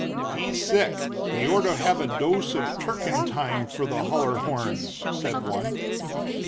"He's sick, he orto have a dose of turkentime for the holler horn," said one.